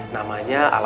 namanya alamat alam